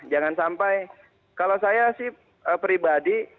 jangan sampai kalau saya sih pribadi